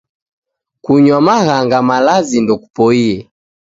Kunywa maghanga malazi ndokupoie